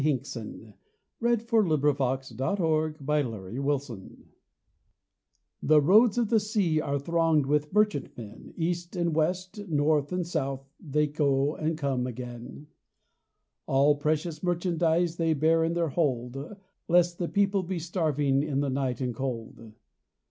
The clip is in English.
THE OPEN ROAD 63 THE OPEN ROAD THE roads of the Sea Are thronged with merchantmen ; East and West, North and South They go and come again. All precious merchandise They bear in their hold : Lest the people be starving In the night and cold.